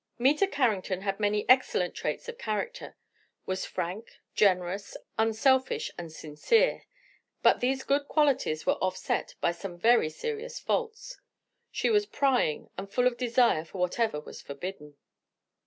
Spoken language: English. Meta Carrington had many excellent traits of character; was frank, generous, unselfish and sincere; but these good qualities were offset by some very serious faults; she was prying and full of desire for whatever was forbidden.